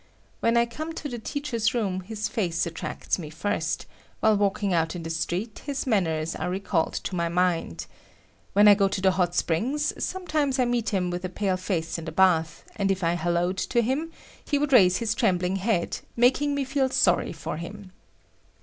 When I come to the teachers' room, his face attracts me first; while walking out in the street, his manners are recalled to my mind. When I go to the hot springs, sometimes I meet him with a pale face in the bath, and if I hallooed to him, he would raise his trembling head, making me feel sorry for him.